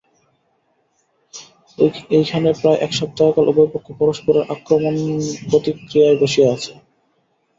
এইখানে প্রায় এক সপ্তাহকাল উভয় পক্ষ পরস্পরের আক্রমণপ্রতীক্ষায় বসিয়া আছে।